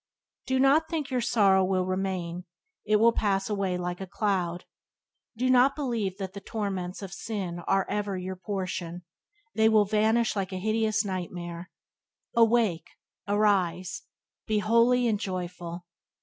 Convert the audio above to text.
Do not think your sorrow will remain; it will pass away like a cloud. Do not believe that the torments of sin are ever your portion; they will vanish like a hideous nightmare. Awake! arise! Be holy and Joyful!